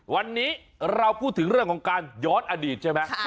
วันนี้เราพูดถึงเรื่องของการย้อนอดีตใช่ไหม